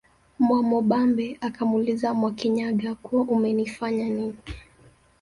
Mwamubambe akamuuliza Mwakinyaga kuwa umenifanya nini